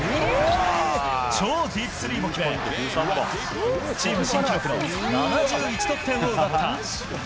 超ディープスリーも決め、チーム新記録の７１得点を奪った。